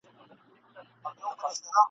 ورځي تیري په خندا شپې پر پالنګ وي ..